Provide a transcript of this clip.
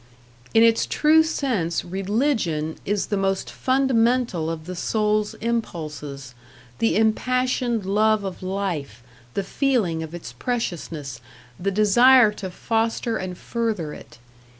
In its true sense Religion is the most fundamental of the soul's impulses, the impassioned love of life, the feeling of its preciousness, the desire to foster and further it.